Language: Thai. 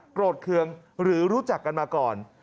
โกรธเคืองหรือรู้จักกันมาก่อน